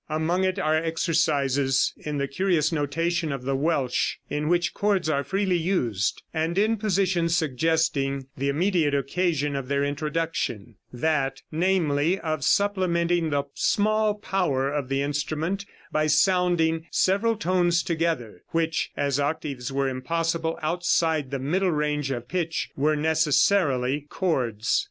Among it are exercises in the curious notation of the Welsh, in which chords are freely used, and in positions suggesting the immediate occasion of their introduction that, namely of supplementing the small power of the instrument by sounding several tones together, which, as octaves were impossible outside the middle range or pitch, were necessarily chords.